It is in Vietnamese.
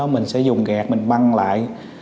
mình sẽ dùng gạt mình băng lại